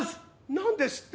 何ですって？